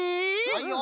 はいよ。